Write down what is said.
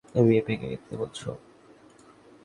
বিয়ে ভেঙে দিতে বলছো?